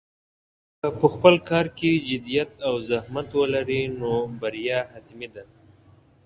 که په خپل کار کې جدیت او زحمت ولرې، نو بریا حتمي ده.